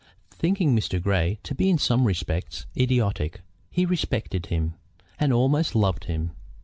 Thinking Mr. Grey to be in some respects idiotic, he respected him, and almost loved him.